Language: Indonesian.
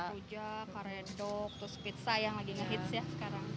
rujak karendok terus pizza yang lagi nge hits ya sekarang